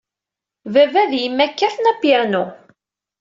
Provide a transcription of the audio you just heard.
Baba ed yemma kkaten apyanu.